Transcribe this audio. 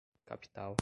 capital